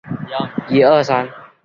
一起聚集与交流